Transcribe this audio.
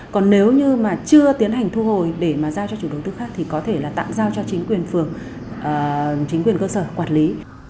còn nếu như mà chưa tiến hành thu hồi để mà giao cho chủ đầu tư khác thì có thể là tạm giao cho chính quyền phường chính quyền cơ sở quản lý